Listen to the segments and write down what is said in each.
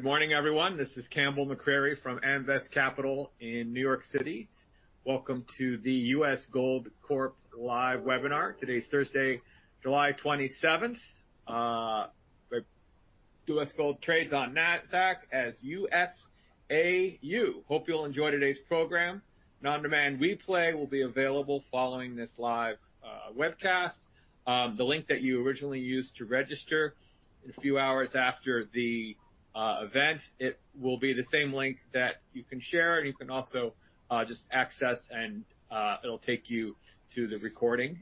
Good morning, everyone. This is Campbell McCrary from Amvest Capital in New York City. Welcome to the U.S. Gold Corp live webinar. Today's Thursday, July 27th. The U.S. Gold trades on NASDAQ as USAU. Hope you'll enjoy today's program. An on-demand replay will be available following this live webcast. The link that you originally used to register, a few hours after the event, it will be the same link that you can share, and you can also just access and it'll take you to the recording.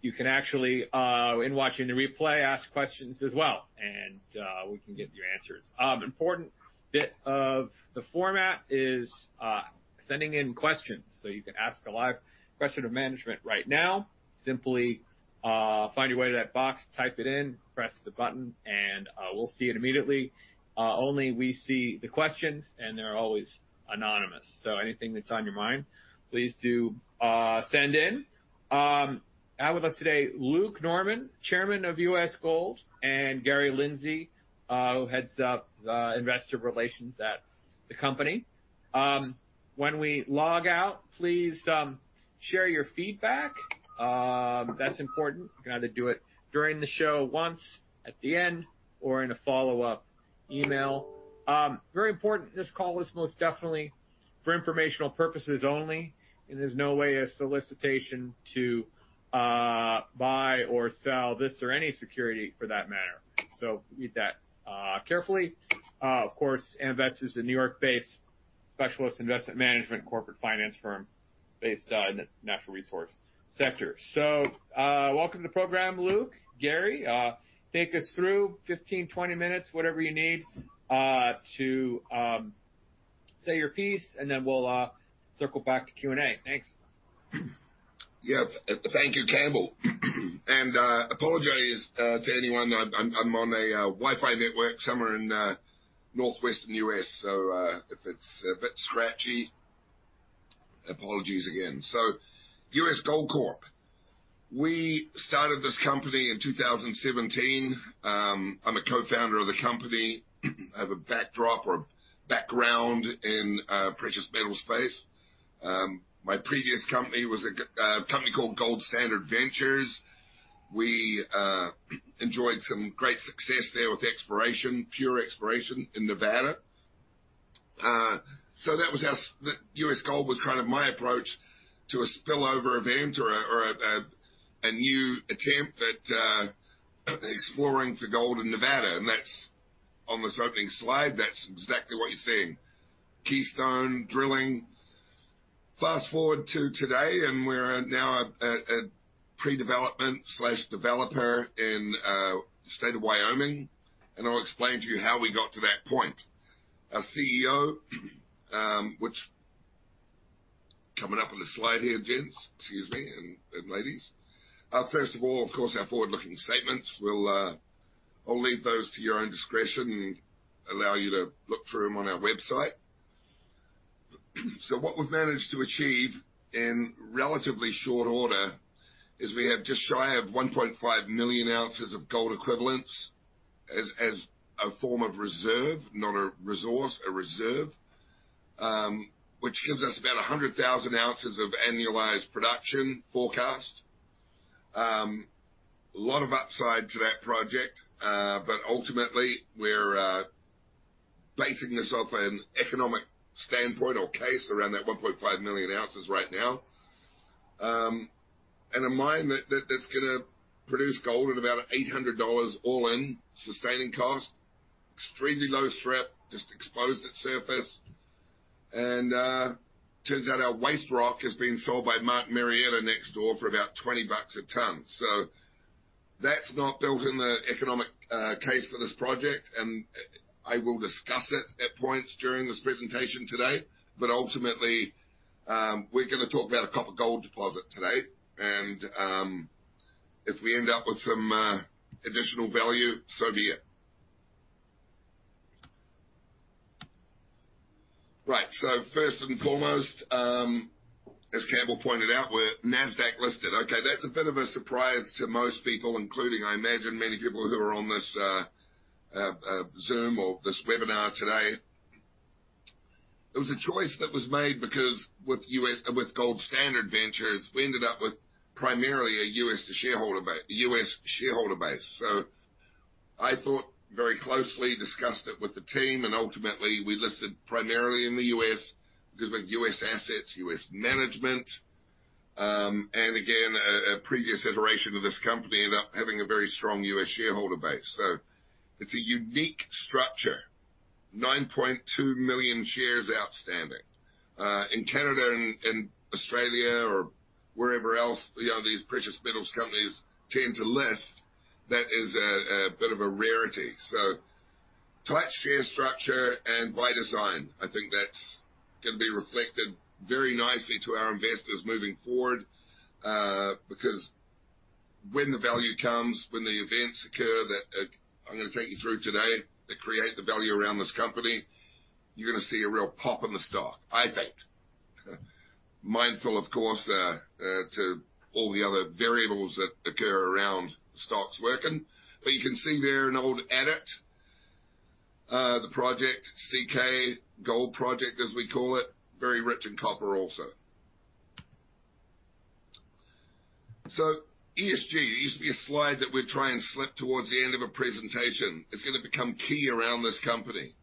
You can actually, in watching the replay, ask questions as well, and we can get you answers. Important bit of the format is sending in questions. You can ask a live question of management right now. Simply, find your way to that box, type it in, press the button, and we'll see it immediately. Only we see the questions, and they're always anonymous. Anything that's on your mind, please do send in. I have with us today, Luke Norman, Chairman of U.S. Gold, and Gary Lindsey, who heads up investor relations at the company. When we log out, please, share your feedback. That's important. You can either do it during the show once, at the end, or in a follow-up email. Very important, this call is most definitely for informational purposes only, and there's no way a solicitation to buy or sell this or any security for that matter. Read that carefully. Of course, Amvest is a New York-based specialist investment management corporate finance firm based in the natural resource sector. Welcome to the program, Luke, Gary. Take us through 15, 20 minutes, whatever you need to say your piece, and then we'll circle back to Q&A. Thanks. Yes, thank you, Campbell. Apologies to anyone I'm on a Wi-Fi network somewhere in northwestern U.S., if it's a bit scratchy, apologies again. U.S. Gold Corp. We started this company in 2017. I'm a co-founder of the company. I have a backdrop or background in precious metal space. My previous company was a company called Gold Standard Ventures. We enjoyed some great success there with exploration, pure exploration in Nevada. That was how U.S. Gold was kind of my approach to a spillover event or a, or a, a new attempt at exploring for gold in Nevada, that's on this opening slide, that's exactly what you're seeing. Keystone Drilling. Fast forward to today, we're now at a pre-development/developer in the state of Wyoming, and I'll explain to you how we got to that point. Our CEO, which coming up on the slide here, gents, excuse me, ladies. First of all, of course, our forward-looking statements, we'll I'll leave those to your own discretion and allow you to look through them on our website. What we've managed to achieve in relatively short order is we have just shy of 1.5 million ounces of gold equivalents as a form of reserve, not a resource, a reserve. Which gives us about 100,000 ounces of annualized production forecast. A lot of upside to that project, but ultimately, we're basing this off an economic standpoint or case around that 1.5 million ounces right now. A mine that, that's gonna produce gold at about $800 all-in sustaining cost, extremely low threat, just exposed at surface. Turns out our waste rock is being sold by Martin Marietta next door for about $20 a ton. That's not built in the economic case for this project, and I will discuss it at points during this presentation today. Ultimately, we're gonna talk about a couple of gold deposit today, if we end up with some additional value, so be it. First and foremost, as Campbell pointed out, we're Nasdaq-listed. Okay, that's a bit of a surprise to most people, including, I imagine, many people who are on this Zoom or this webinar today. It was a choice that was made because with Gold Standard Ventures, we ended up with primarily a U.S. shareholder base, U.S. shareholder base. I thought very closely, discussed it with the team, and ultimately, we listed primarily in the U.S., because with U.S. assets, U.S. management, and again, a, a previous iteration of this company ended up having a very strong U.S. shareholder base. It's a unique structure, 9.2 million shares outstanding. In Canada and, and Australia or wherever else, you know, these precious metals companies tend to list, that is a, a bit of a rarity. Tight share structure and by design, I think that's gonna be reflected very nicely to our investors moving forward, because when the value comes, when the events occur, that I'm gonna take you through today, that create the value around this company, you're gonna see a real pop in the stock, I think. Mindful, of course, to all the other variables that occur around stocks working. You can see there an old adit, the Project CK Gold Project, as we call it, very rich in copper also. ESG, it used to be a slide that we'd try and slip towards the end of a presentation. It's gonna become key around this company.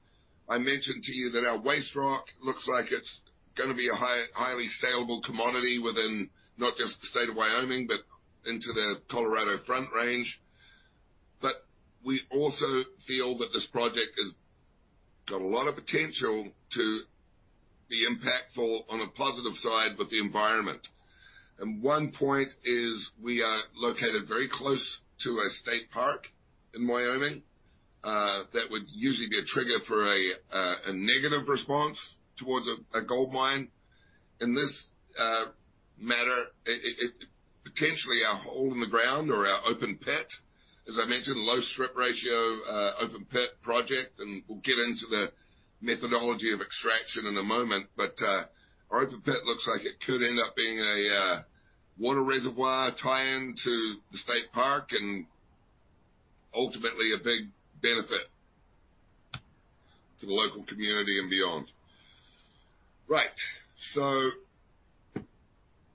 I mentioned to you that our waste rock looks like it's gonna be a highly salable commodity within not just the state of Wyoming, but into the Colorado Front Range. We also feel that this project has got a lot of potential to be impactful on a positive side with the environment. One point is, we are located very close to a state park in Wyoming, that would usually be a trigger for a negative response towards a gold mine. In this matter, it, it, potentially our hole in the ground or our open pit, as I mentioned, low strip ratio, open pit project, and we'll get into the methodology of extraction in a moment, but our open pit looks like it could end up being a water reservoir tie-in to the state park and ultimately a big benefit to the local community and beyond. Right.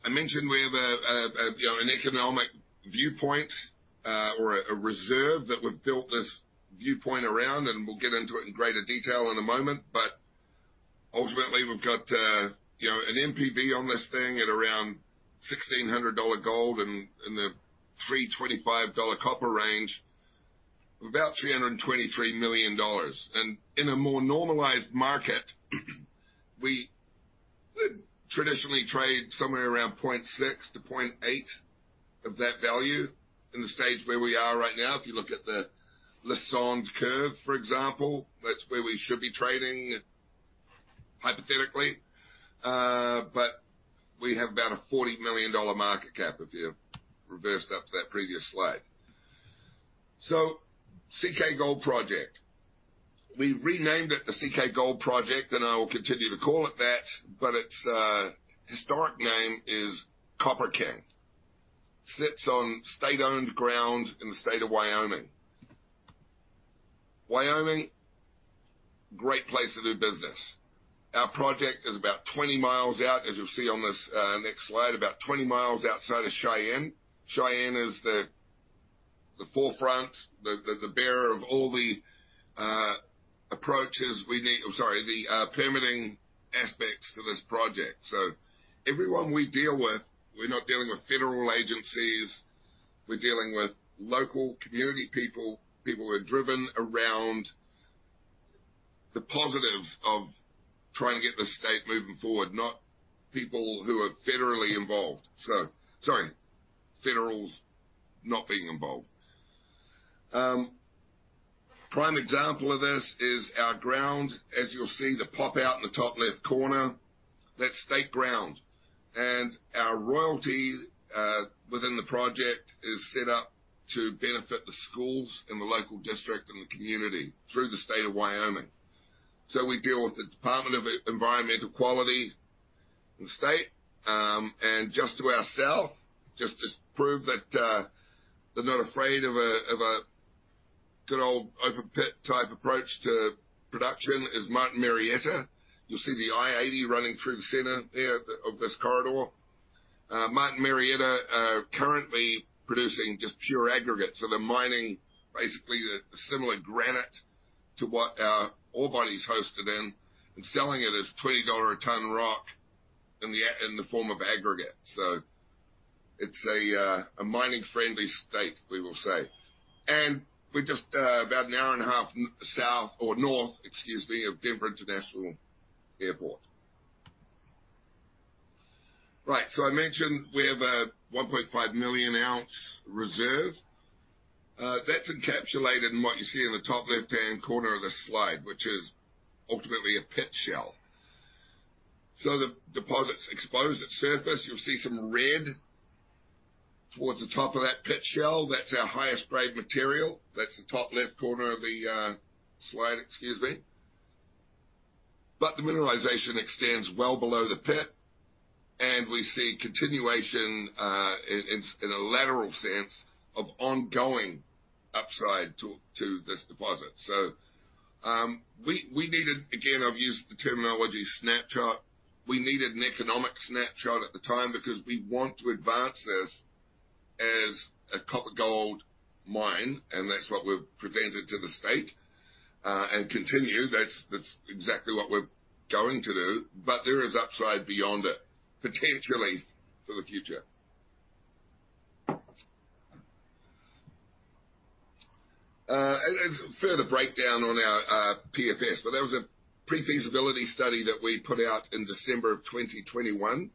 I mentioned we have a, a, a, you know, an economic viewpoint, or a reserve that we've built this viewpoint around, and we'll get into it in greater detail in a moment, but ultimately, we've got, you know, an NPV on this thing at around $1,600 gold and, and the $3.25 copper range, of about $323 million. In a more normalized market, we traditionally trade somewhere around 0.6-0.8 of that value in the stage where we are right now. If you look at the Lassonde Curve, for example, that's where we should be trading hypothetically. We have about a $40 million market cap, if you've reversed up to that previous slide. CK Gold Project. We've renamed it the CK Gold Project, and I will continue to call it that, but its historic name is Copper King. Sits on state-owned ground in the state of Wyoming. Wyoming, great place to do business. Our project is about 20 miles out, as you'll see on this next slide, about 20 miles outside of Cheyenne. Cheyenne is the, the forefront, the, the bearer of all the approaches we need... I'm sorry, the permitting aspects to this project. Everyone we deal with, we're not dealing with federal agencies, we're dealing with local community people. People who are driven around the positives of trying to get the state moving forward, not people who are federally involved. Sorry, federals not being involved. Prime example of this is our ground. As you'll see, the pop-out in the top left corner, that's state ground, and our royalty within the project is set up to benefit the schools in the local district and the community through the state of Wyoming. We deal with the Department of Environmental Quality in the state. And just to ourself, just, just prove that they're not afraid of a, of a good old open pit type approach to production is Martin Marietta. You'll see the I-80 running through the center there of the, of this corridor. Martin Marietta currently producing just pure aggregate, They're mining basically a similar granite to what our ore body is hosted in, and selling it as $20 a ton rock in the a-- in the form of aggregate. It's a, a mining-friendly state, we will say. We're just about an hour and a half south or north, excuse me, of Denver International Airport. Right. I mentioned we have a 1.5 million ounce reserve. That's encapsulated in what you see in the top left-hand corner of the slide, which is ultimately a pit shell. The deposit's exposed at surface. You'll see some red towards the top of that pit shell. That's our highest grade material. That's the top left corner of the, slide. Excuse me. The mineralization extends well below the pit, and we see continuation, in, in, in a lateral sense of ongoing upside to, to this deposit. We, we needed... Again, I've used the terminology snapshot. We needed an economic snapshot at the time because we want to advance this as a copper gold mine, and that's what we've presented to the state, and continue. That's, that's exactly what we're going to do, but there is upside beyond it, potentially for the future. As further breakdown on our, PFS, but there was a pre-feasibility study that we put out in December of 2021.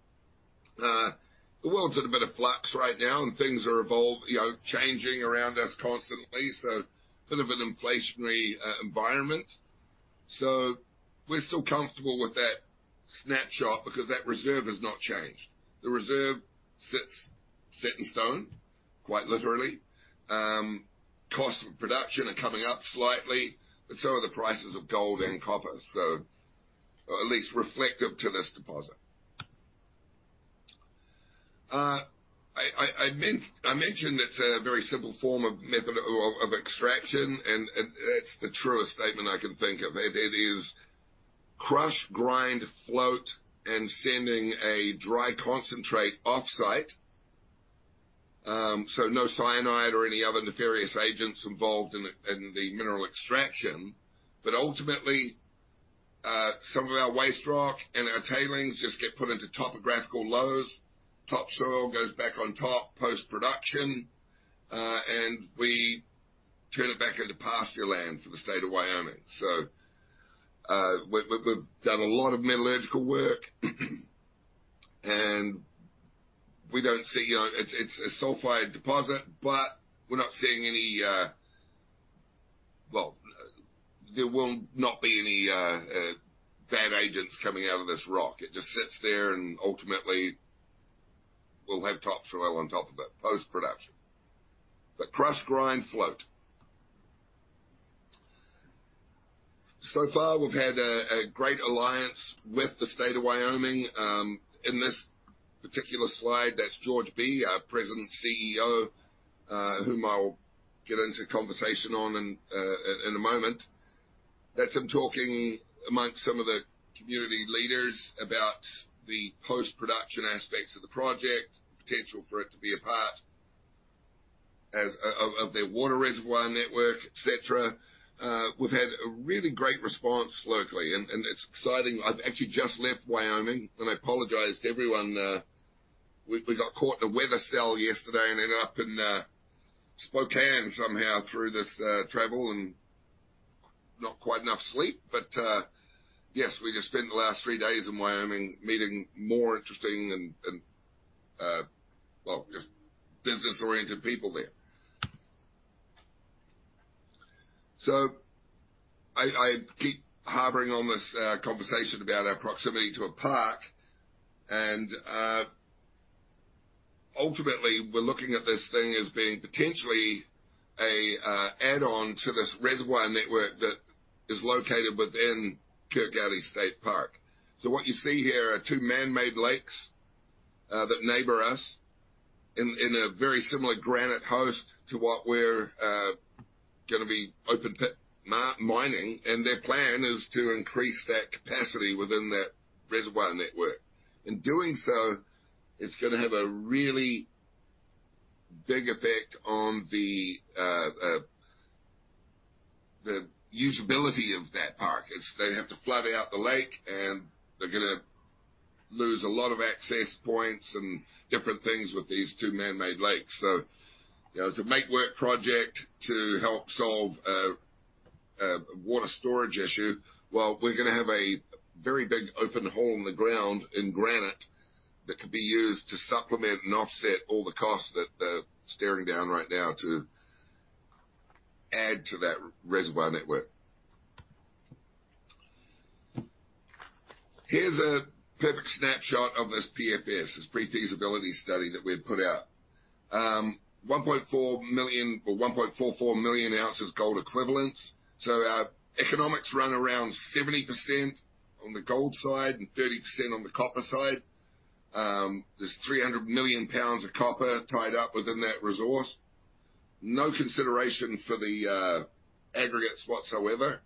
The world's at a bit of flux right now, and things are evolved, you know, changing around us constantly, so bit of an inflationary environment. We're still comfortable with that snapshot because that reserve has not changed. The reserve sits set in stone. Quite literally. Cost of production are coming up slightly, but so are the prices of gold and copper, so at least reflective to this deposit. I mentioned it's a very simple form of method of extraction, and that's the truest statement I can think of. It is crush, grind, float, and sending a dry concentrate off-site. No cyanide or any other nefarious agents involved in the mineral extraction, ultimately, some of our waste rock and our tailings just get put into topographical lows. Topsoil goes back on top post-production, and we turn it back into pastureland for the state of Wyoming. We've done a lot of metallurgical work, and we don't see, you know, it's a sulfide deposit, but we're not seeing any. Well, there will not be any bad agents coming out of this rock. It just sits there, and ultimately, we'll have topsoil on top of it post-production. Crush, grind, float. So far, we've had a great alliance with the state of Wyoming. In this particular slide, that's George Bee, our President CEO, whom I'll get into conversation on in a moment. That's him talking amongst some of the community leaders about the post-production aspects of the project, potential for it to be a part of their water reservoir network, et cetera. We've had a really great response locally, and it's exciting. I've actually just left Wyoming, and I apologize to everyone, we got caught in a weather cell yesterday and ended up in Spokane somehow through this travel and not quite enough sleep. Yes, we just spent the last three days in Wyoming meeting more interesting and, well, just business-oriented people there. I, I keep harboring on this conversation about our proximity to a park, ultimately, we're looking at this thing as being potentially a add-on to this reservoir network that is located within Curt Gowdy State Park. What you see here are two man-made lakes that neighbor us in, in a very similar granite host to what we're gonna be open-pit mining, and their plan is to increase that capacity within that reservoir network. In doing so, it's gonna have a really big effect on the usability of that park. It's they have to flood out the lake, and they're gonna lose a lot of access points and different things with these 2 man-made lakes. You know, it's a make work project to help solve a water storage issue. Well, we're gonna have a very big open hole in the ground in granite that could be used to supplement and offset all the costs that they're staring down right now to add to that reservoir network. Here's a perfect snapshot of this PFS, this pre-feasibility study that we've put out. 1.4 million, or 1.44 million ounces gold equivalents. Our economics run around 70% on the gold side and 30% on the copper side. There's 300 million pounds of copper tied up within that resource. No consideration for the aggregates whatsoever.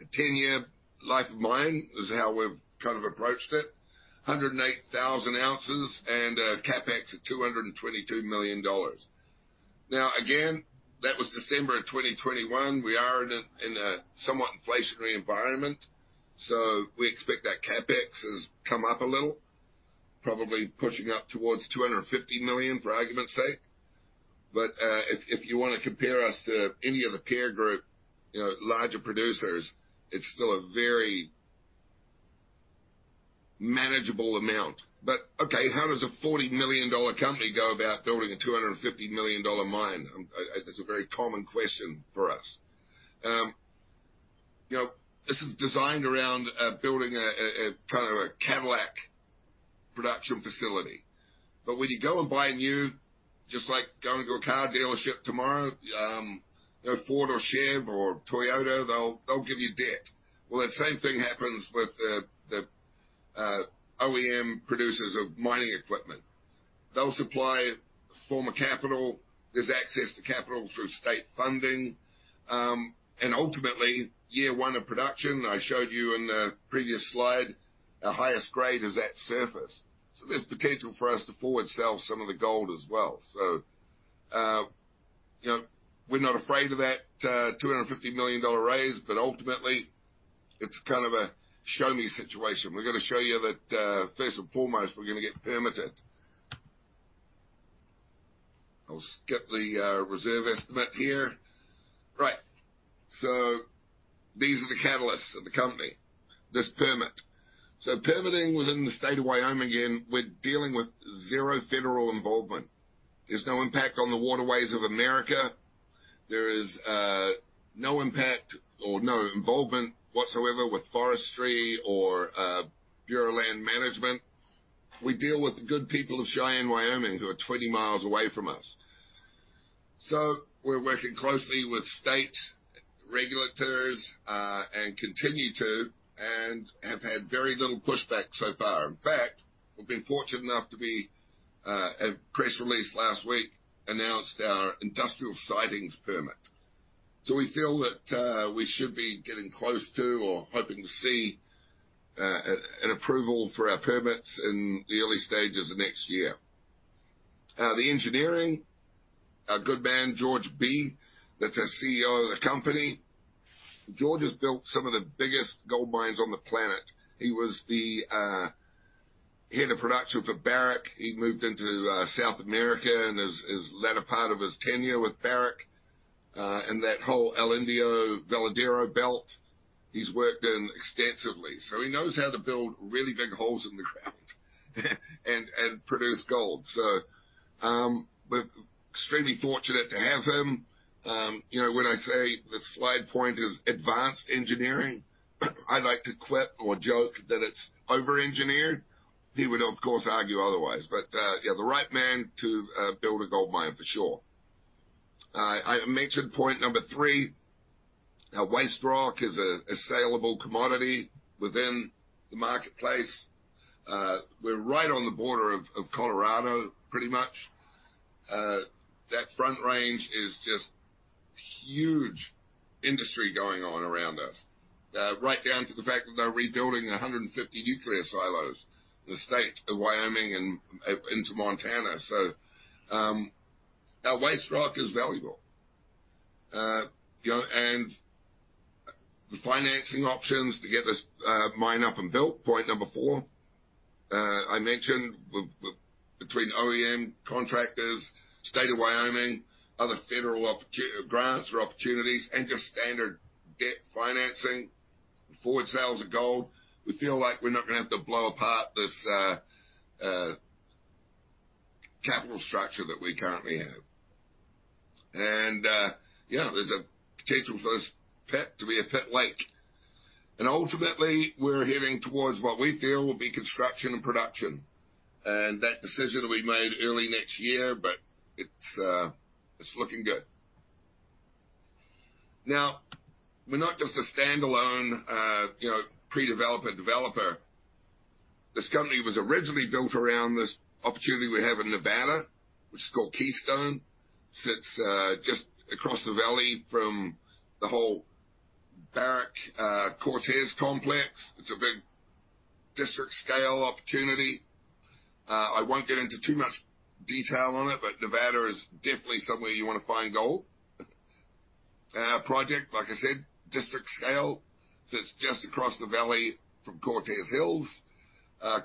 A 10-year life of mine is how we've kind of approached it. 108,000 ounces and CapEx at $222 million. Again, that was December of 2021. We are in a somewhat inflationary environment, we expect that CapEx has come up a little, probably pushing up towards $250 million, for argument's sake. If you wanna compare us to any of the peer group, you know, larger producers, it's still a very manageable amount. How does a $40 million company go about building a $250 million mine? It's a very common question for us. You know, this is designed around building a kind of a Cadillac production facility. When you go and buy new, just like going to a car dealership tomorrow, a Ford or Chev or Toyota, they'll give you debt. The same thing happens with the OEM producers of mining equipment. They'll supply form of capital. There's access to capital through state funding. Ultimately, year one of production, I showed you in the previous slide, our highest grade is at surface. There's potential for us to forward sell some of the gold as well. You know, we're not afraid of that $200 million raise, but ultimately, it's kind of a show-me situation. We're gonna show you that, first and foremost, we're gonna get permitted. I'll skip the reserve estimate here. Right. These are the catalysts of the company, this permit. Permitting within the state of Wyoming, again, we're dealing with zero federal involvement. There's no impact on the waterways of America. There is no impact or no involvement whatsoever with forestry or Bureau of Land Management. We deal with the good people of Cheyenne, Wyoming, who are 20 miles away from us. We're working closely with state regulators and continue to, and have had very little pushback so far. In fact, we've been fortunate enough to be, a press release last week, announced our industrial siting permit. We feel that we should be getting close to or hoping to see, an approval for our permits in the early stages of next year. The engineering, a good man, George Bee, that's our CEO of the company. George has built some of the biggest gold mines on the planet. He was the head of production for Barrick. He moved into South America, and is-his latter part of his tenure with Barrick, and that whole El Indio Veladero belt, he's worked in extensively. He knows how to build really big holes in the ground, and, and produce gold. We're extremely fortunate to have him. You know, when I say the slide point is advanced engineering, I like to quip or joke that it's over-engineered. He would, of course, argue otherwise, yeah, the right man to build a gold mine for sure. I mentioned point number three, waste rock is a, a salable commodity within the marketplace. We're right on the border of, of Colorado, pretty much. That front range is just huge industry going on around us, right down to the fact that they're rebuilding 150 nuclear silos, the state of Wyoming and into Montana. Our waste rock is valuable. You know, the financing options to get this mine up and built, point number four. I mentioned between OEM contractors, state of Wyoming, other federal Grants or opportunities, and just standard debt financing, forward sales of gold. We feel like we're not gonna have to blow apart this capital structure that we currently have. Yeah, there's a potential for this pit to be a pit lake. Ultimately, we're heading towards what we feel will be construction and production. That decision will be made early next year, but it's looking good. Now, we're not just a standalone, you know, pre-developer, developer. This company was originally built around this opportunity we have in Nevada, which is called Keystone. Sits just across the valley from the whole Barrick Cortez complex. It's a big district-scale opportunity. I won't get into too much detail on it, but Nevada is definitely somewhere you want to find gold. Project, like I said, district scale, sits just across the valley from Cortez Hills.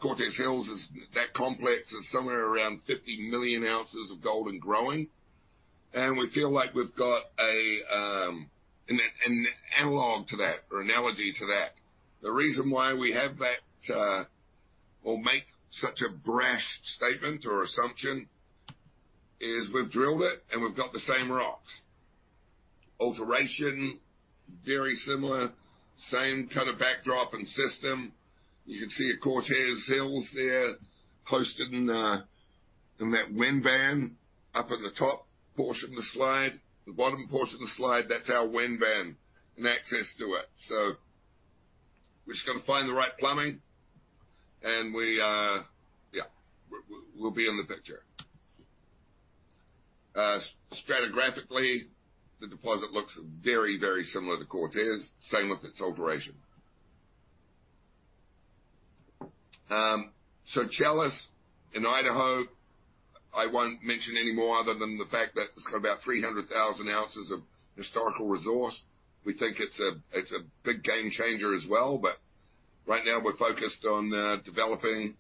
Cortez Hills is... That complex is somewhere around 50 million ounces of gold and growing. We feel like we've got an analog to that, or analogy to that. The reason why we have that, or make such a brash statement or assumption is we've drilled it and we've got the same rocks. Alteration, very similar, same kind of backdrop and system. You can see a Cortez Hills there, posted in that wind band, up in the top portion of the slide. The bottom portion of the slide, that's our wind band and access to it. We're just gonna find the right plumbing, and we... Yeah, we'll be in the picture. Stratigraphically, the deposit looks very, very similar to Cortez, same with its alteration. Challis in Idaho, I won't mention any more other than the fact that it's got about 300,000 ounces of historical resource. We think it's a, it's a big game changer as well, but right now we're focused on developing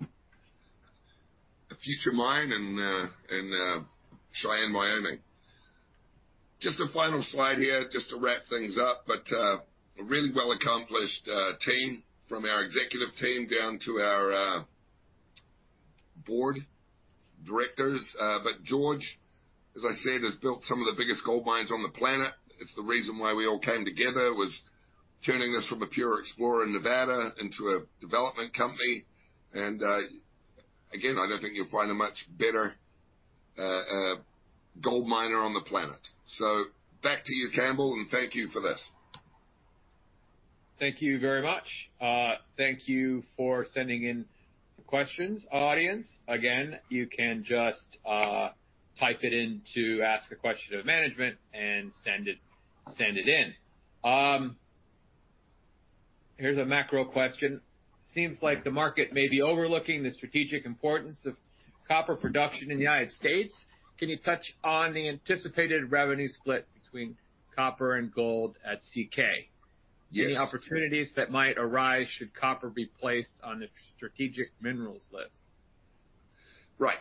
a future mine in Cheyenne, Wyoming. Just a final slide here, just to wrap things up, but a really well-accomplished team from our executive team, down to our board directors. George, as I said, has built some of the biggest gold mines on the planet. It's the reason why we all came together, was turning this from a pure explorer in Nevada into a development company. Again, I don't think you'll find a much better gold miner on the planet. Back to you, Campbell, and thank you for this. Thank you very much. Thank you for sending in the questions, audience. Again, you can just type it in to ask a question of management and send it, send it in. Here's a macro question. Seems like the market may be overlooking the strategic importance of copper production in the United States. Can you touch on the anticipated revenue split between copper and gold at CK? Yes. Any opportunities that might arise should copper be placed on the strategic minerals list? Right.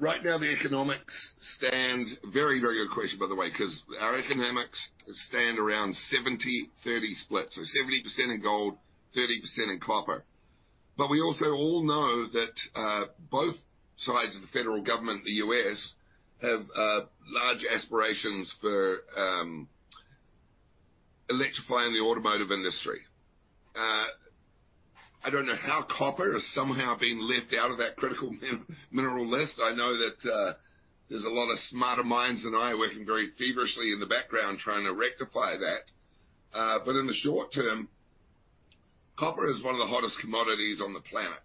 Right now, the economics stand... Very, very good question, by the way, because our economics stand around 70/30 split, so 70% in gold, 30% in copper. We also all know that both sides of the federal government, the U.S., have large aspirations for electrifying the automotive industry. I don't know how copper is somehow being left out of that critical mineral list. I know that there's a lot of smarter minds than I, working very feverishly in the background trying to rectify that. In the short term, copper is one of the hottest commodities on the planet,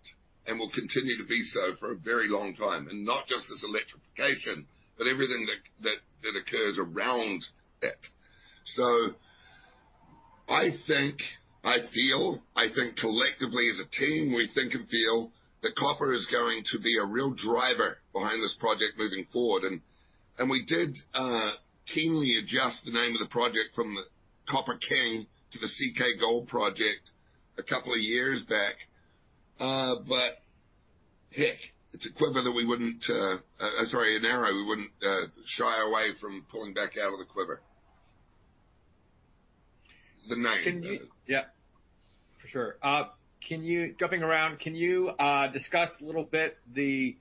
and will continue to be so for a very long time, and not just as electrification, but everything that, that, that occurs around it. I think, I feel, I think collectively as a team, we think and feel that copper is going to be a real driver behind this project moving forward. We did keenly adjust the name of the project from the Copper King to the CK Gold Project a couple of years back. Heck, it's a quiver that we wouldn't... Sorry, an arrow we wouldn't shy away from pulling back out of the quiver. The name. Can you- Yeah, for sure. Can you, jumping around, can you, discuss a little bit the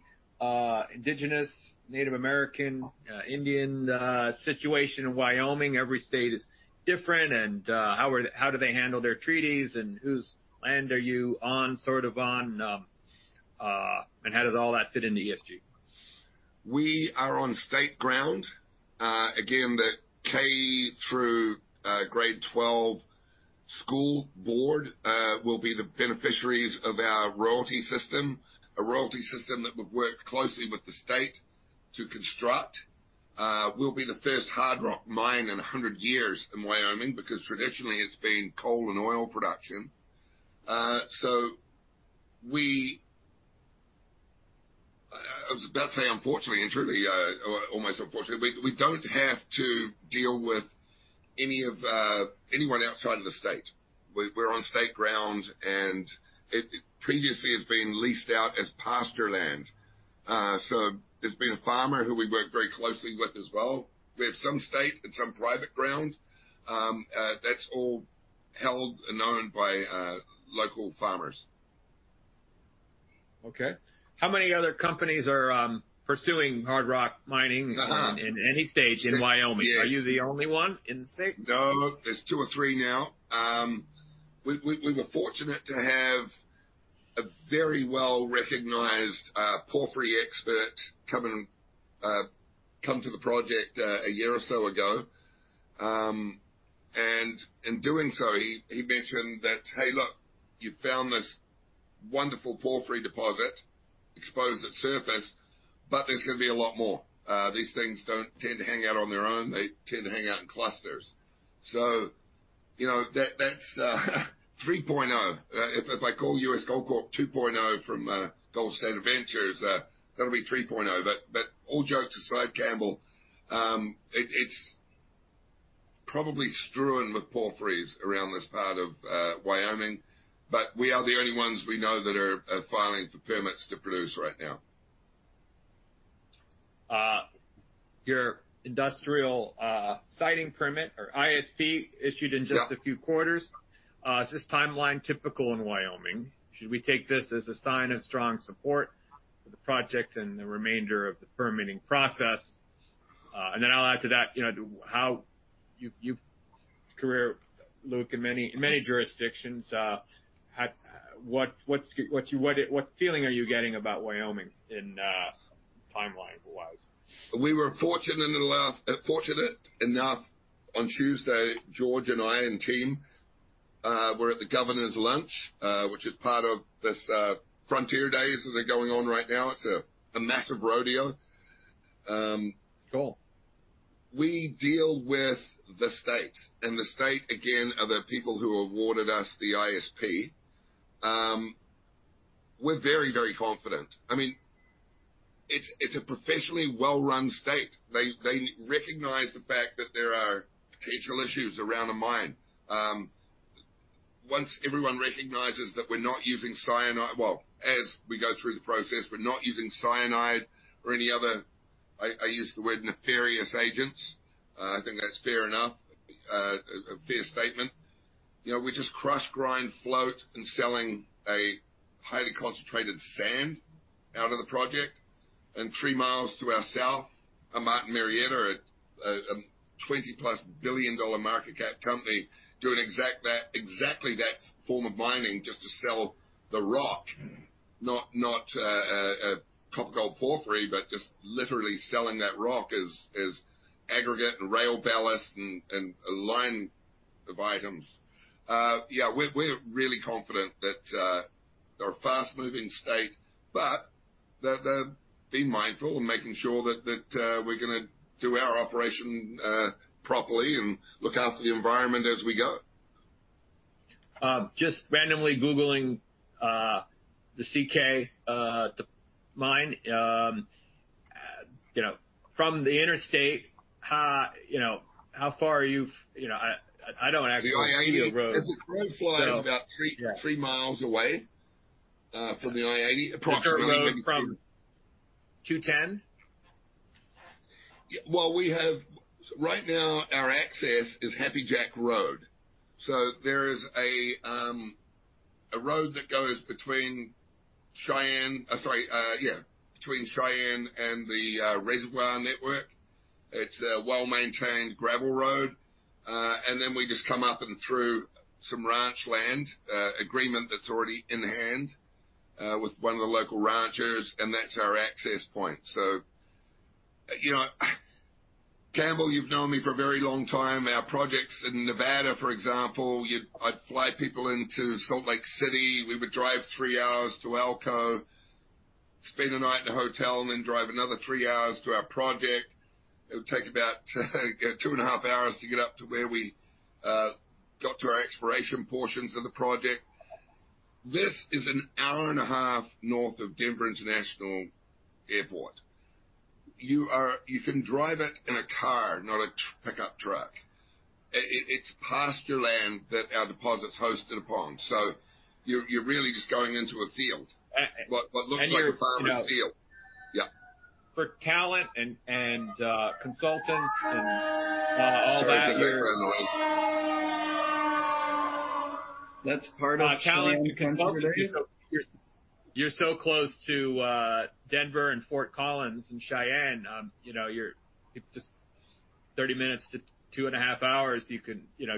Indigenous, Native American, Indian situation in Wyoming? Every state is different. How are- how do they handle their treaties, and whose land are you on, sort of on, and how does all that fit into ESG? We are on state ground. Again, the K through grade twelve school board will be the beneficiaries of our royalty system. A royalty system that we've worked closely with the state to construct. We'll be the first hard rock mine in 100 years in Wyoming, because traditionally it's been coal and oil production. So we... I, I was about to say, unfortunately, and truly, almost unfortunately, we, we don't have to deal with any of anyone outside of the state. We're on state ground, and it previously has been leased out as pasture land. So there's been a farmer who we work very closely with as well. We have some state and some private ground. That's all held and owned by local farmers. Okay. How many other companies are pursuing hard rock mining- in any stage in Wyoming? Yes. Are you the only one in the state? No, there's two or three now. We, we, we were fortunate to have a very well-recognized porphyry expert come and come to the project a year or so ago. In doing so, he, he mentioned that, "Hey, look, you found this wonderful porphyry deposit exposed at surface, but there's gonna be a lot more. These things don't tend to hang out on their own. They tend to hang out in clusters." You know, that, that's 3.0. If, if I call U.S. Gold Corp. 2.0, from Gold Standard Ventures, that'll be 3.0. All jokes aside, Campbell, it, it's probably strewn with porphyries around this part of Wyoming, but we are the only ones we know that are, are filing for permits to produce right now. Your industrial siting permit or ISP, issued in just- Yeah... a few quarters. Is this timeline typical in Wyoming? Should we take this as a sign of strong support for the project and the remainder of the permitting process? Then I'll add to that, you know, how you, you career, Luke, in many, many jurisdictions, how, what, what's, what feeling are you getting about Wyoming in, timeline-wise? We were fortunate enough on Tuesday, George and I, and team, were at the Governor's lunch, which is part of this, Frontier Days that are going on right now. It's a massive rodeo. Cool. We deal with the state, and the state again, are the people who awarded us the ISP. We're very, very confident. I mean, it's, it's a professionally well run state. They, they recognize the fact that there are potential issues around the mine. Once everyone recognizes that we're not using cyanide... Well, as we go through the process, we're not using cyanide or any other, I, I use the word nefarious agents. I think that's fair enough, a fair statement. You know, we just crush, grind, float, and selling a highly concentrated sand out of the project. And 3 miles to our south, a Martin Marietta, a, a $20+ billion market cap company, doing exactly that form of mining just to sell the rock. Not, not, a copper gold porphyry, but just literally selling that rock as, as aggregate and rail ballast and, and a line of items. Yeah, we're, we're really confident that, they're a fast-moving state, but that they're being mindful and making sure that, that, we're gonna do our operation, properly and look after the environment as we go. Just randomly googling, the CK, the mine, you know, from the interstate, how, you know, how far are you? You know, I, I don't actually know the road. The I-80. As the crow flies, it's about three, three miles away, from the I-80. The dirt road from two-ten? Well, we have, right now, our access is Happy Jack Road. There is a, a road that goes between Cheyenne, sorry, yeah, between Cheyenne and the reservoir network. It's a well-maintained gravel road, and then we just come up and through some ranch land, agreement that's already in hand, with one of the local ranchers, and that's our access point. You know, Campbell, you've known me for a very long time. Our projects in Nevada, for example, I'd fly people into Salt Lake City, we would drive three hours to Elko, spend a night in a hotel, and then drive another three hours to our project. It would take about, two and a half hours to get up to where we got to our exploration portions of the project. This is an hour and a half north of Denver International Airport. You can drive it in a car, not a pickup truck. It's pasture land that our deposit's hosted upon, so you're really just going into a field. Eh- What, what looks like a farmer's field. Yeah. For talent and, and, consultants, and, all that. Sorry for the noise. That's part of Cheyenne comes with it. Talent, you're so close to Denver and Fort Collins and Cheyenne, you know, you're just 30 minutes to 2.5 hours, you can, you know,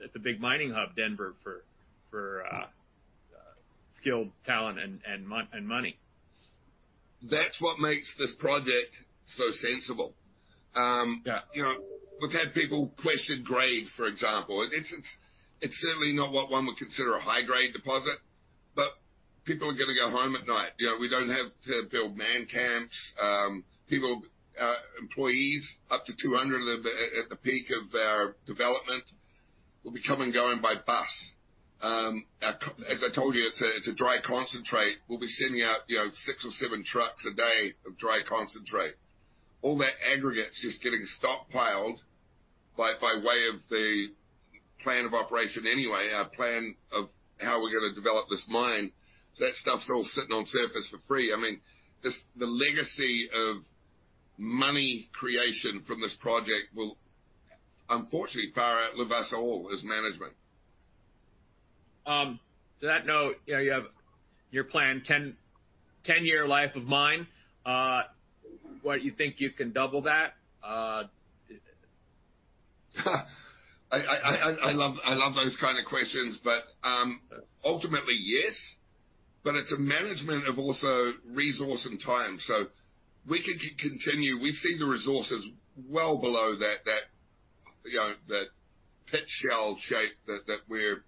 It's a big mining hub, Denver, for skilled talent and money. That's what makes this project so sensible. Yeah. You know, we've had people question grade, for example. It's, it's, it's certainly not what one would consider a high-grade deposit, but people are gonna go home at night. You know, we don't have to build man camps, people, employees, up to 200 at the, at the peak of our development, will be coming and going by bus. As I told you, it's a, it's a dry concentrate. We'll be sending out, you know, six or seven trucks a day of dry concentrate. All that aggregate is just getting stockpiled by, by way of the plan of operation anyway, our plan of how we're gonna develop this mine. So that stuff's all sitting on surface for free. I mean, this, the legacy of money creation from this project will unfortunately far outlive us all as management. To that note, you know, you have your plan, 10, 10-year life of mine. What, you think you can double that? I love, I love those kind of questions, but ultimately, yes, but it's a management of also resource and time. We could continue. We see the resources well below that, that, you know, that pit shell shape that, that we've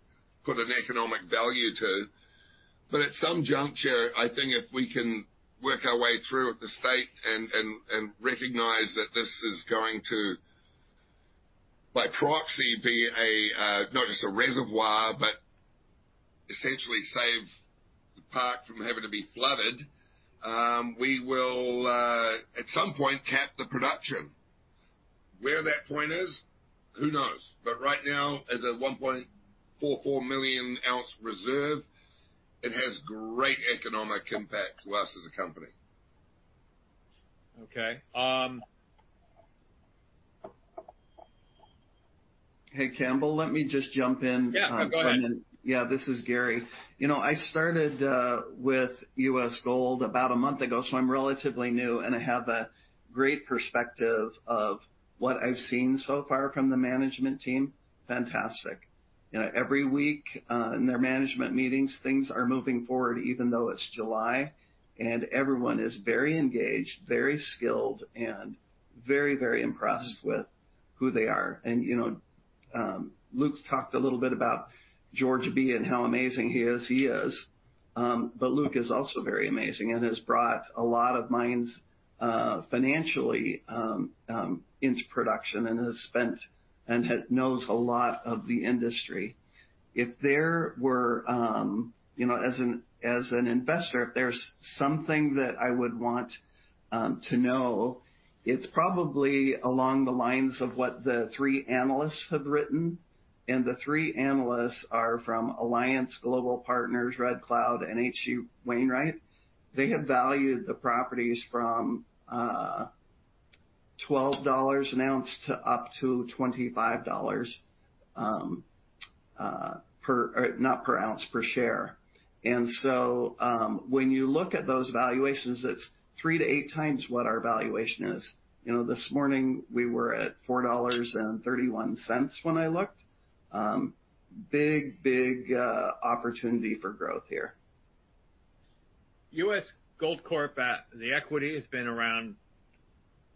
put an economic value to. At some juncture, I think if we can work our way through with the state and, and, and recognize that this is going to, by proxy, be a not just a reservoir, but essentially save the park from having to be flooded, we will at some point, cap the production. Where that point is, who knows? Right now, as a 1.44 million ounce reserve, it has great economic impact to us as a company. Okay. Hey, Campbell, let me just jump in. Yeah, go ahead. Yeah, this is Gary. You know, I started with U.S. Gold about a month ago, so I'm relatively new, and I have a great perspective of what I've seen so far from the management team. Fantastic. You know, every week, in their management meetings, things are moving forward, even though it's July, and everyone is very engaged, very skilled, and very, very impressed with who they are. You know, Luke's talked a little bit about George Bee and how amazing he is. He is, but Luke is also very amazing and has brought a lot of minds, financially, into production and has spent and knows a lot of the industry. If there were, you know, as an, as an investor, if there's something that I would want to know, it's probably along the lines of what the three analysts have written, and the three analysts are from Alliance Global Partners, Red Cloud, and H.C. Wainwright & Co. They have valued the properties from $12 an ounce to up to $25 per... not per ounce, per share. So, when you look at those valuations, it's three to eight times what our valuation is. You know, this morning, we were at $4.31 when I looked. Big, big opportunity for growth here. U.S. Gold Corp., the equity has been around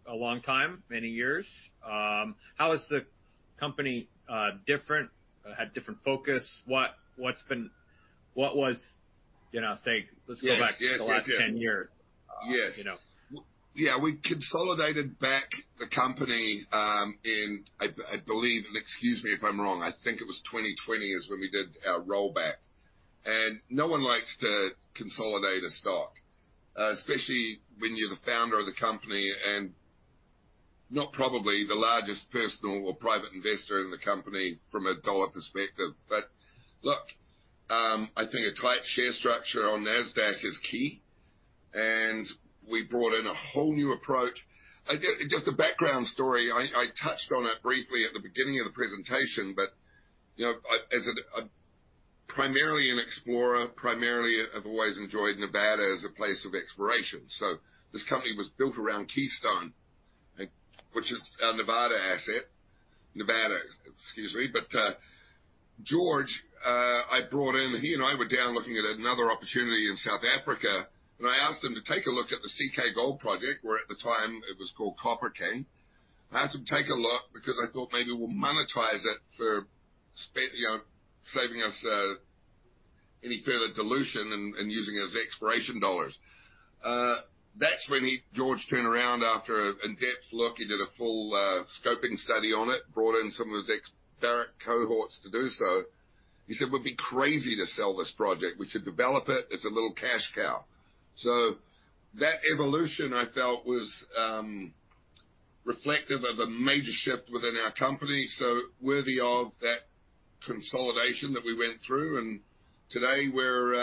a long time, many years. How is the company different, had different focus? What was, you know, say, let's go back? Yes, yes. - to the last 10 years. Yes. You know. Yeah, we consolidated back the company, in, I, I believe, and excuse me if I'm wrong, I think it was 2020 is when we did our rollback. No one likes to consolidate a stock, especially when you're the founder of the company and not probably the largest personal or private investor in the company from a dollar perspective. I think a tight share structure on Nasdaq is key, and we brought in a whole new approach. Just a background story. I, I touched on it briefly at the beginning of the presentation, but, you know, as a, primarily an explorer, primarily, I've always enjoyed Nevada as a place of exploration. This company was built around Keystone, which is a Nevada asset. Nevada, excuse me. George, I brought in, he and I were down looking at another opportunity in South Africa, and I asked him to take a look at the CK Gold Project, where at the time it was called Copper King. I asked him to take a look because I thought maybe we'll monetize it for spend, you know, saving us any further dilution and, and using it as exploration dollars. That's when he, George turned around after an in-depth look, he did a full scoping study on it, brought in some of his expert cohorts to do so. He said, "We'd be crazy to sell this project. We should develop it. It's a little cash cow." That evolution, I felt, was reflective of a major shift within our company, so worthy of that consolidation that we went through, and today we're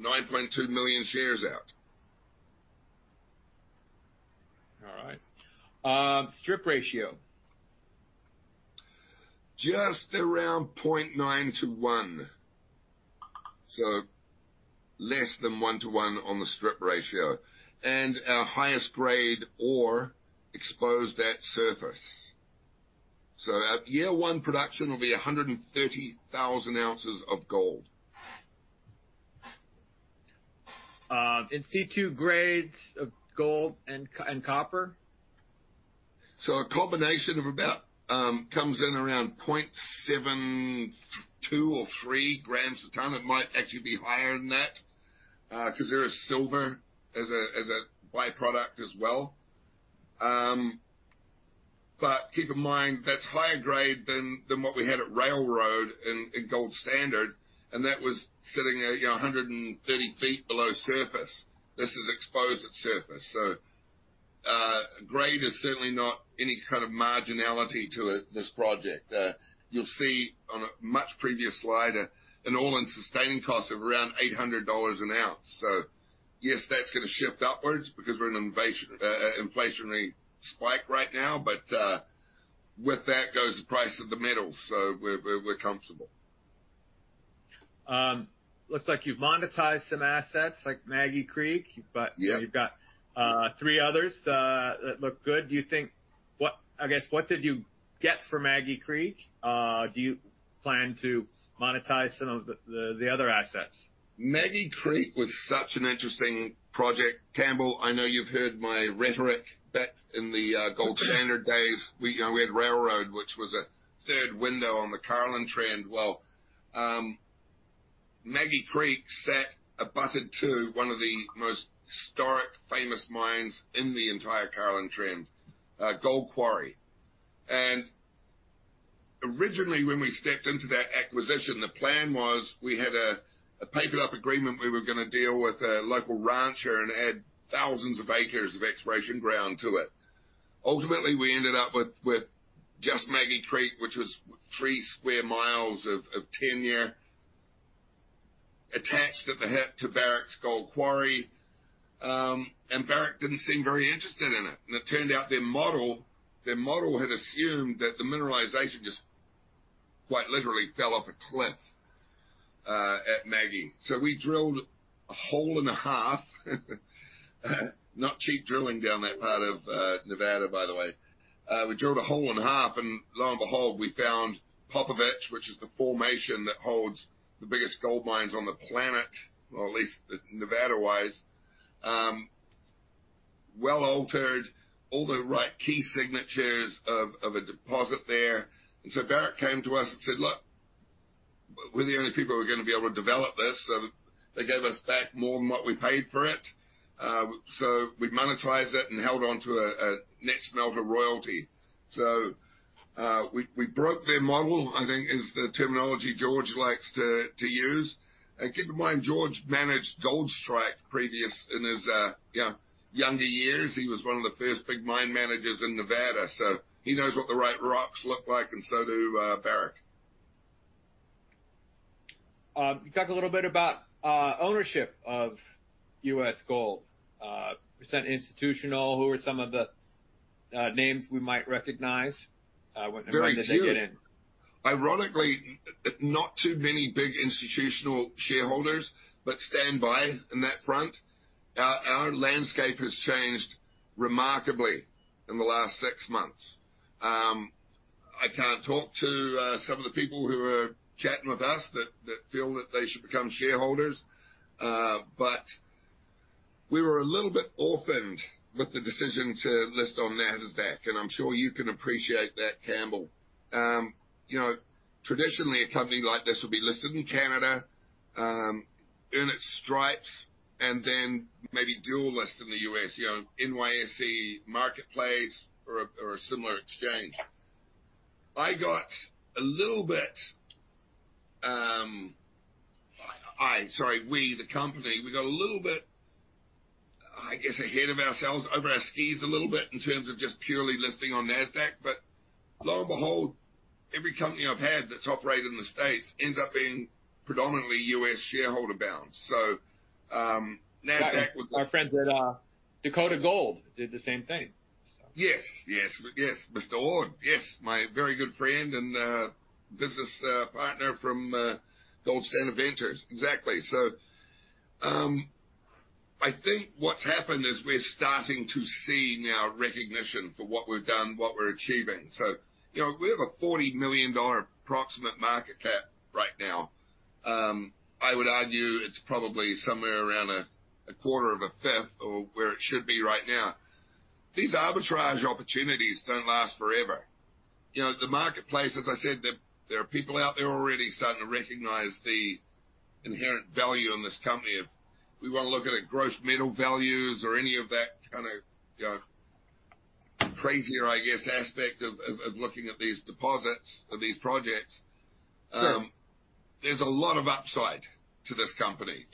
9.2 million shares out. All right. Strip ratio? Just around 0.9 to one. Less than one to one on the strip ratio, our highest grade ore exposed at surface. Our year 1 production will be 130,000 ounces of gold. In situ grades of gold and copper? A combination of about, comes in around 0.72 or 0.73 grams a ton. It might actually be higher than that, 'cause there is silver as a by-product as well. Keep in mind, that's higher grade than what we had at Railroad in Gold Standard, and that was sitting at, you know, 130 feet below surface. This is exposed at surface, so, grade is certainly not any kind of marginality to it, this project. You'll see on a much previous slide, an all-in sustaining cost of around $800 an ounce. Yes, that's gonna shift upwards because we're in an invasi-- inflationary spike right now, but, with that goes the price of the metals, so we're, we're, we're comfortable. Looks like you've monetized some assets like Maggie Creek. Yeah. you've got three others that look good. Do you think... I guess, what did you get from Maggie Creek? Do you plan to monetize some of the other assets? Maggie Creek was such an interesting project. Campbell, I know you've heard my rhetoric back in the Gold Standard days. We, you know, we had Railroad, which was a third window on the Carlin Trend. Well, Maggie Creek sat abutted to one of the most historic, famous mines in the entire Carlin Trend, Gold Quarry. Originally, when we stepped into that acquisition, the plan was we had a papered up agreement. We were gonna deal with a local rancher and add thousands of acres of exploration ground to it. Ultimately, we ended up with just Maggie Creek, which was three square miles of tenure, attached at the hip to Barrick's Gold Quarry. Barrick didn't seem very interested in it, and it turned out their model, their model had assumed that the mineralization just quite literally fell off a cliff at Maggie. We drilled a hole and a half, not cheap drilling down that part of Nevada, by the way. We drilled a hole in half, and lo and behold, we found Popovich, which is the formation that holds the biggest gold mines on the planet, or at least Nevada-wise. Well altered, all the right key signatures of, of a deposit there. Barrick came to us and said, "Look, we're the only people who are gonna be able to develop this." They gave us back more than what we paid for it. We monetized it and held on to a, a net smelter royalty. We, we broke their model, I think is the terminology George likes to, to use. Keep in mind, George managed Gold Strike previous in his, you know, younger years. He was one of the first big mine managers in Nevada, so he knows what the right rocks look like, and so do, Barrick. You talked a little bit about ownership of U.S. Gold, percent institutional. Who are some of the names we might recognize? When did they get in? Very few. Ironically, not too many big institutional shareholders, but stand by on that front. Our, our landscape has changed remarkably in the last six months. I can't talk to some of the people who are chatting with us that, that feel that they should become shareholders. We were a little bit orphaned with the decision to list on Nasdaq, and I'm sure you can appreciate that, Campbell. You know, traditionally, a company like this would be listed in Canada, earn its stripes and then maybe dual list in the U.S., you know, NYSE marketplace or a, or a similar exchange. I got a little bit, I... Sorry, we, the company, we got a little bit-... I guess, ahead of ourselves, over our skis a little bit in terms of just purely listing on Nasdaq, but lo and behold, every company I've had that's operated in the States ends up being predominantly U.S. shareholder bound. Nasdaq was- Our friends at Dakota Gold did the same thing, so. Yes, yes, yes, Jonathan Awde. Yes, my very good friend and business partner from Gold Standard Ventures. Exactly. I think what's happened is we're starting to see now recognition for what we've done, what we're achieving. You know, we have a $40 million approximate market cap right now. I would argue it's probably somewhere around a quarter of a fifth of where it should be right now. These arbitrage opportunities don't last forever. You know, the marketplace, as I said, there, there are people out there already starting to recognize the inherent value in this company. If we want to look at it gross metal values or any of that kind of, you know, crazier, I guess, aspect of, of, of looking at these deposits of these projects, there's a lot of upside to this company.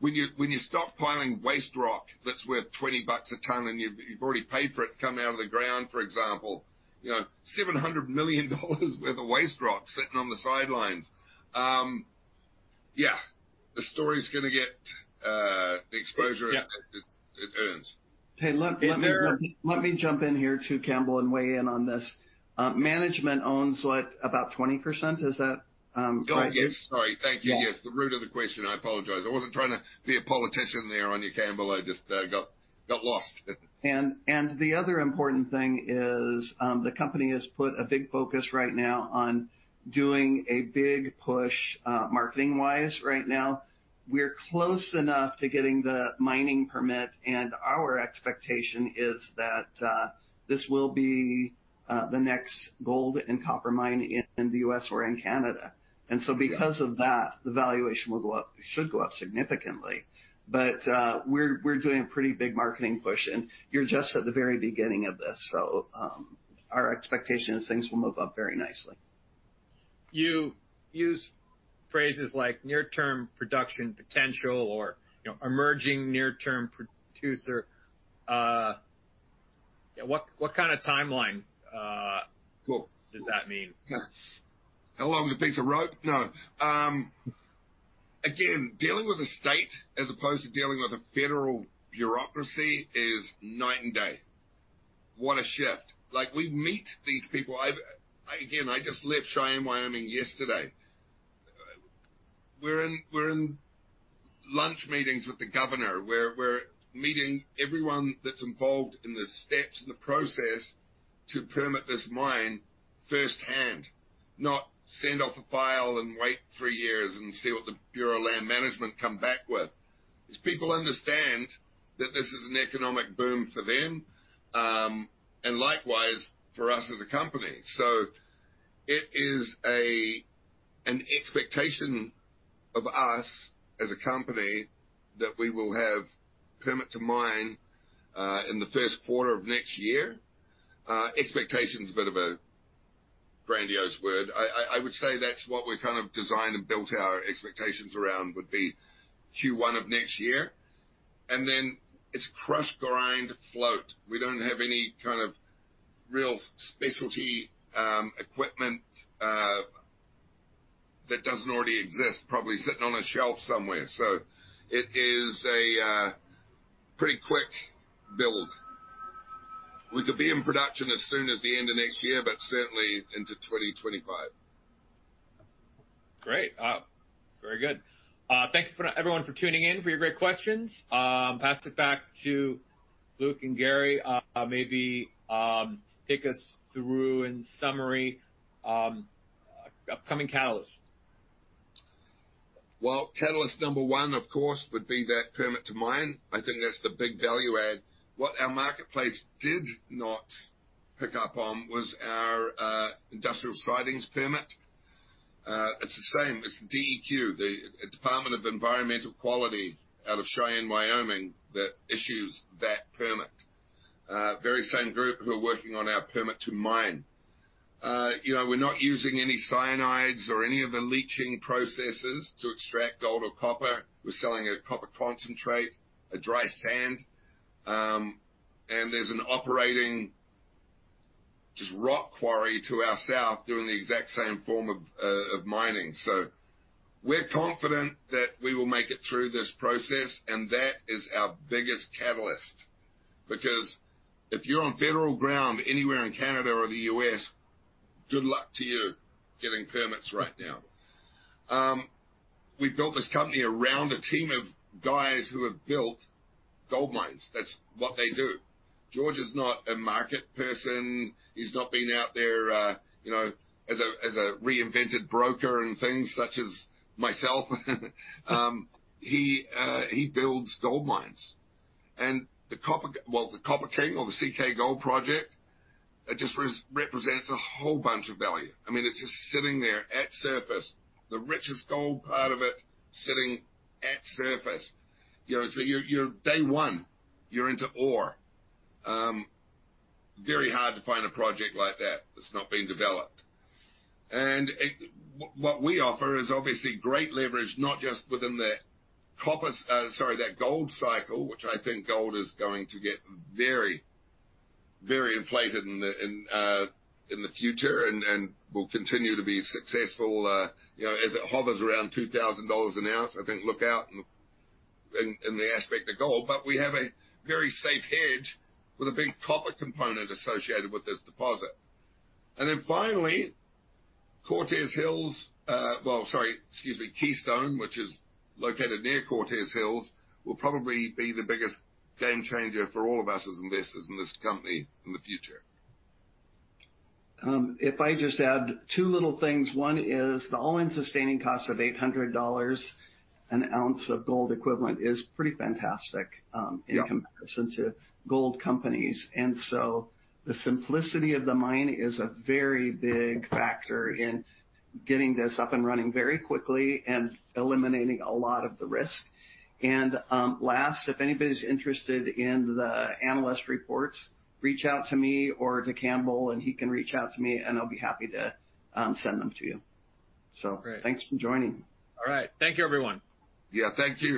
When you, when you stop piling waste rock, that's worth $20 a ton, and you've, you've already paid for it, coming out of the ground, for example, you know, $700 million worth of waste rock sitting on the sidelines. Yeah, the story's gonna get the exposure... Yeah... it, it earns. Hey, let me, let me jump in here too, Campbell, and weigh in on this. Management owns what? About 20%, is that correct? Oh, yes. Sorry. Thank you. Yeah. Yes, the root of the question, I apologize. I wasn't trying to be a politician there on you, Campbell, I just got, got lost. The other important thing is, the company has put a big focus right now on doing a big push, marketing-wise right now. We're close enough to getting the mining permit. Our expectation is that this will be the next gold and copper mine in the U.S. or in Canada. Yeah. So because of that, the valuation will go up, should go up significantly. We're, we're doing a pretty big marketing push, and you're just at the very beginning of this, so, our expectation is things will move up very nicely. You use phrases like near-term production potential or, you know, emerging near-term producer. What, what kind of timeline? Cool. Does that mean? Yeah. How long of a piece of rope? No. Again, dealing with the state as opposed to dealing with a federal bureaucracy is night and day. What a shift! Like, we meet these people. Again, I just left Cheyenne, Wyoming, yesterday. We're in lunch meetings with the governor, we're meeting everyone that's involved in the steps in the process to permit this mine firsthand, not send off a file and wait three years and see what the Bureau of Land Management come back with. These people understand that this is an economic boom for them, and likewise for us as a company. It is a, an expectation of us, as a company, that we will have permit to mine in the first quarter of next year. Expectation is a bit of a grandiose word. I would say that's what we kind of designed and built our expectations around, would be Q1 of next year, and then it's crush, grind, float. We don't have any kind of real specialty equipment that doesn't already exist, probably sitting on a shelf somewhere. It is a pretty quick build. We could be in production as soon as the end of next year, but certainly into 2025. Great! Very good. Thank you for everyone for tuning in, for your great questions. Pass it back to Luke and Gary. Maybe take us through in summary, upcoming catalysts. Well, catalyst number one, of course, would be that permit to mine. I think that's the big value add. What our marketplace did not pick up on was our industrial siting permit. It's the same, it's the DEQ, the Department of Environmental Quality, out of Cheyenne, Wyoming, that issues that permit. Very same group who are working on our permit to mine. You know, we're not using any cyanides or any of the leaching processes to extract gold or copper. We're selling a copper concentrate, a dry sand, and there's an operating just rock quarry to our south, doing the exact same form of mining. We're confident that we will make it through this process, and that is our biggest catalyst, because if you're on federal ground anywhere in Canada or the U.S., good luck to you getting permits right now. We've built this company around a team of guys who have built gold mines. That's what they do. George is not a market person. He's not been out there, you know, as a, as a reinvented broker and things such as myself. He builds gold mines. The Copper King, well, the Copper King or the CK Gold Project, it just represents a whole bunch of value. I mean, it's just sitting there at surface, the richest gold part of it, sitting at surface. You know, so you're, you're day one, you're into ore. Very hard to find a project like that, that's not been developed. What we offer is obviously great leverage, not just within the copper... Sorry, that gold cycle, which I think gold is going to get very, very inflated in the, in the future and will continue to be successful, you know, as it hovers around $2,000 an ounce, I think look out in, in, in the aspect of gold. We have a very safe hedge with a big copper component associated with this deposit. Then finally, Cortez Hills, well, sorry, excuse me, Keystone, which is located near Cortez Hills, will probably be the biggest game changer for all of us as investors in this company in the future. If I just add 2 little things, one is the all-in sustaining cost of $800 an ounce of gold equivalent is pretty fantastic. Yeah in comparison to gold companies. The simplicity of the mine is a very big factor in getting this up and running very quickly and eliminating a lot of the risk. Last, if anybody's interested in the analyst reports, reach out to me or to Campbell, and he can reach out to me, and I'll be happy to send them to you. Great. Thanks for joining. All right. Thank you, everyone. Yeah. Thank you.